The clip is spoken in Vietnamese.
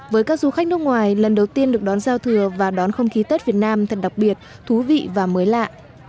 với các du khách nước ngoài lần đầu tiên được đón giao thừa và đón không khí tết việt nam thật đặc biệt thú vị và mới lạ